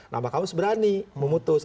nah makam agung seberani memutus